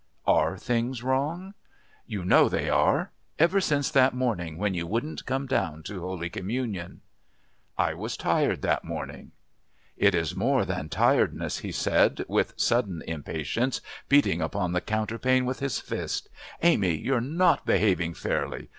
"Are things wrong?" "You know they are ever since that morning when you wouldn't come to Holy Communion." "I was tired that morning." "It is more than tiredness," he said, with sudden impatience, beating upon the counterpane with his fist. "Amy you're not behaving fairly.